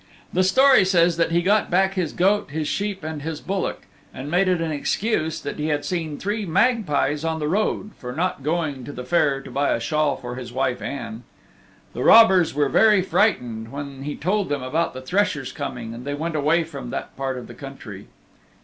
The story says that he got back his goat, his sheep and his bullock and made it an excuse that he had seen three magpies on the road for not going to the fair to buy a shawl for his wife Ann. The robbers were very frightened when he told them about the threshers coming and they went away from that part of the country.